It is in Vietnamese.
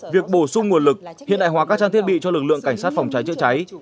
việc bổ sung nguồn lực hiện đại hóa các trang thiết bị cho lực lượng cảnh sát phòng cháy chữa cháy